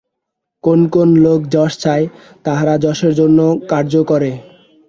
কোন কোন লোক যশ চায়, তাহারা যশের জন্য কার্য করে।